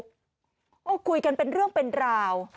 ก็คุยกันเป็นเรื่องเป็นราว